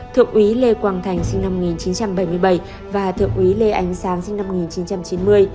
thượng úy lê quang thành sinh năm một nghìn chín trăm bảy mươi bảy và thượng úy lê ánh sáng sinh năm một nghìn chín trăm chín mươi